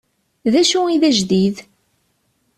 Dacu i d ajdid?